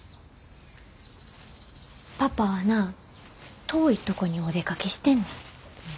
パパはな遠いとこにお出かけしてんねん。